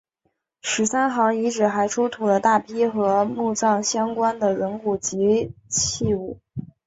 十三行遗址还出土了大批和墓葬相关的人骨及器物。